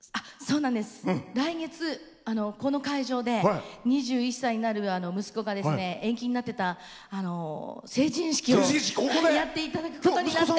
来月、この会場で２１歳になる息子が延期になってた成人式をやっていただくことになって。